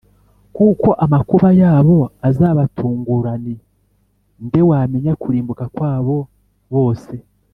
kuko amakuba yabo azabatungurani nde wamenya kurimbuka kwabo bose’